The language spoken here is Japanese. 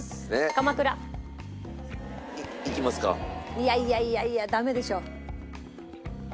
いやいやいやいやダメでしょ。